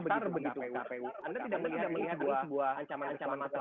sudah ada muncul infeksi baru di boyolali